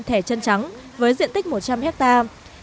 thẻ chân trắng với diện tích một trăm linh hectare